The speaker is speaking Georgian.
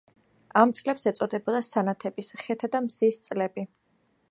ამ წლებს ეწოდებოდა სანათების, ხეთა და მზის წლები.